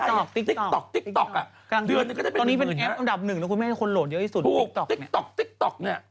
ยอดติดตาม๑ล้านขึ้นไปเนี่ยค่าโภชน์สูงที่๘หมื่นบาทต่อครั้งนะ